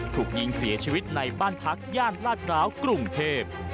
ถูกยิงเสียชีวิตในบ้านพักย่านลาดพร้าวกรุงเทพ